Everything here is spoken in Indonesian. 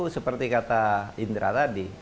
seperti kata indra tadi